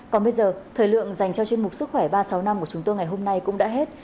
còn bây giờ thời lượng dành cho chương mục sức khỏe ba trăm sáu mươi năm của chúng tôi ngày hôm nay cũng đã hết